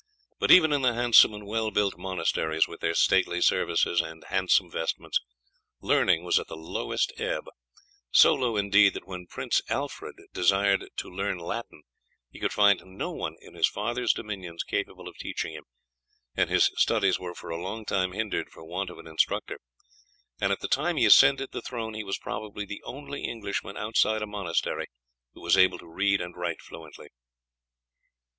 But even in the handsome and well built monasteries, with their stately services and handsome vestments, learning was at the lowest ebb so low, indeed, that when Prince Alfred desired to learn Latin he could find no one in his father's dominions capable of teaching him, and his studies were for a long time hindered for want of an instructor, and at the time he ascended the throne he was probably the only Englishman outside a monastery who was able to read and write fluently.